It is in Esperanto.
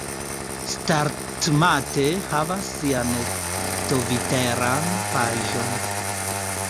Startmate havas sian Tviteran paĝon